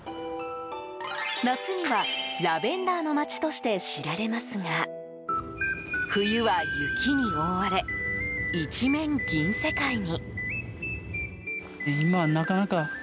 夏にはラベンダーの町として知られますが冬は雪に覆われ、一面銀世界に。